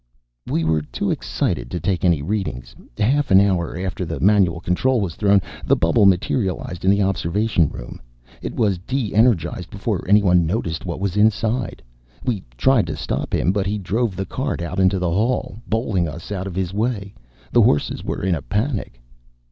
"We were too excited to take any readings. Half an hour after the manual control was thrown, the bubble materialized in the observation room. It was de energized before anyone noticed what was inside. We tried to stop him but he drove the cart out into the hall, bowling us out of the way. The horses were in a panic."